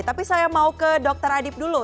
tapi saya mau ke dr adib dulu